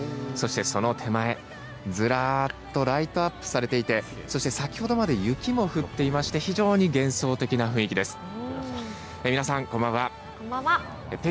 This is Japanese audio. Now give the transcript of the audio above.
そして、その手前ずらっとライトアップされていてそして先ほどまで雪も降っていまして非常に幻想的な雰囲気です。